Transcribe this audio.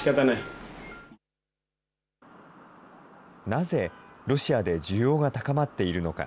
なぜロシアで需要が高まっているのか。